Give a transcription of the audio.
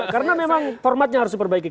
karena memang formatnya harus diperbaiki